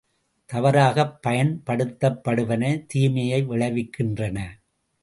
தவறாகப் பயன்படுத்தப்படுவன தீமையை விளைவிக்கின்றன.